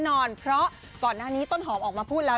แน่นอนเพราะก่อนหน้านี้ต้นหอมออกมาพูดแล้ว